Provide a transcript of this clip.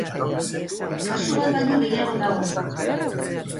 Kasu bat baino gehiago dago.